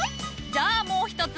じゃあもう一つ。